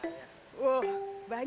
jadi antrek beak terus